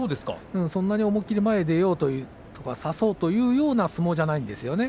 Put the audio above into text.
そんなに思いっきり前に出ようという差そうというような相撲じゃないんですよね。